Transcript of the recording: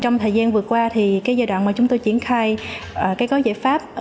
trong thời gian vừa qua giai đoạn mà chúng tôi triển khai gói giải pháp